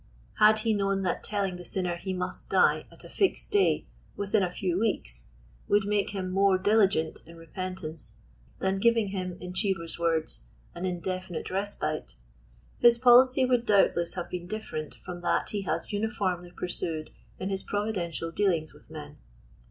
Had he known that telling the sinner he must die at a fixed day, within a few weeks, would make him more diligent in repent ance than giving him — in Cheever's words —an indefinite respite," his policy would doubtless have been different from that he has uniformly pursued in his providential dealings with men.